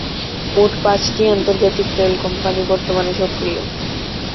মোট পাঁচটি আন্তর্জাতিক তেল কোম্পানি বর্তমানে সক্রিয়।